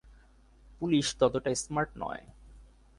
Police ততটা smart নয়।